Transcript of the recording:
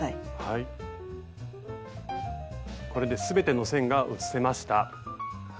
これで全ての線が写せました。